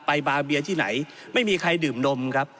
บาเบียที่ไหนไม่มีใครดื่มนมครับ